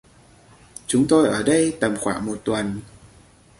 Chúng tôi ở đây tầm khoảng một tuần